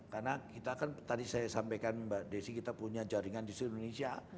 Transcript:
karena kita kan tadi saya sampaikan mbak desy kita punya jaringan di seluruh indonesia